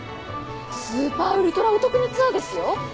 スーパーウルトラお得なツアーですよ。